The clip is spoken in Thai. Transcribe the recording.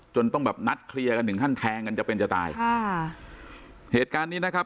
ต้องแบบนัดเคลียร์กันถึงขั้นแทงกันจะเป็นจะตายค่ะเหตุการณ์นี้นะครับ